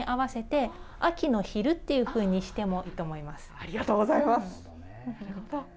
ありがとうございます。